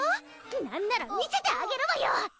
なんなら見せてあげるわよ！